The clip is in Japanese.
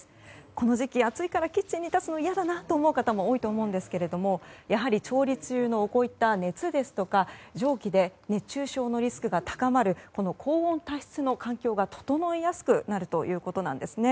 この時期、暑いからキッチンに立つのは嫌だなと思う方も多いと思いますがやはり、調理中の熱ですとか蒸気で熱中症のリスクが高まる高温多湿の環境が整いやすくなるということです。